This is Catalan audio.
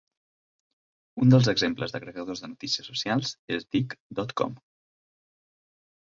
Un dels exemples d'agregadors de notícies socials és Digg dot com.